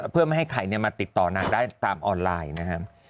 เพื่อไม่ให้ใครมาติดต่อนางได้ตามออนไลน์นะครับ